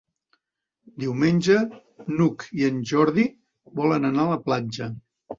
Diumenge n'Hug i en Jordi volen anar a la platja.